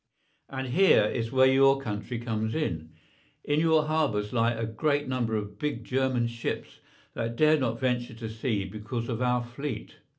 And here is where your country comes in. In your harbours lie a great number of big German ships that dare not venture to sea because of our fleet.